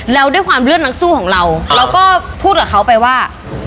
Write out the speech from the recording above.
แล้วด้วยความเลือดนักสู้ของเราเราก็พูดกับเขาไปว่า